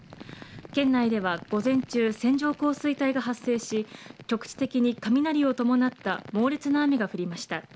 県内では午前中線状降水帯が発生し局地的に雷を伴った猛烈な雨が降りました。